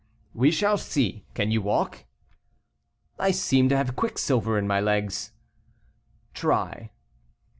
"We shall see; can you walk?" "I seem to have quicksilver in my legs." "Try."